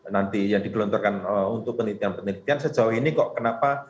nanti yang digelontorkan untuk penelitian penelitian sejauh ini kok kenapa